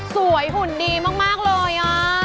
สวยหุ่นดีมากเลยอ่ะ